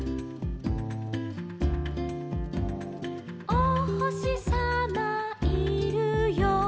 「おほしさまいるよ」